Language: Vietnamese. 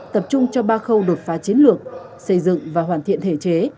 tập trung cho ba khâu đột phá chiến lược xây dựng và hoàn thiện thể chế